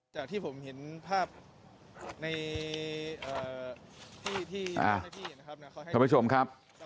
จากที่ผมเห็นภาพในที่ท่านผู้ชมครับ